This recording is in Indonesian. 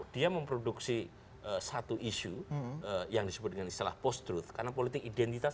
dia memproduksi satu isu yang disebut dengan istilah post truth karena politik identitas